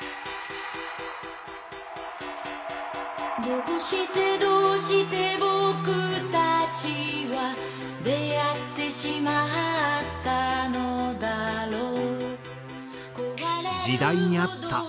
「どうしてどうして僕たちは」「出逢ってしまったのだろう」